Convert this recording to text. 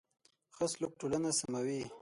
ښه سلوک ټولنه سموي.